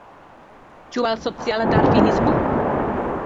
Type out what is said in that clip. Ĉu al sociala darvinismo?